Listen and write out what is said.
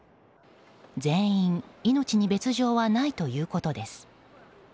全員命に別条はないということです。